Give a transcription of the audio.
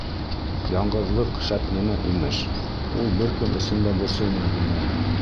Яңғыҙлыҡ шәп нәмә имеш, ул бер кем өсөн дә борсолмай, йәнәһе.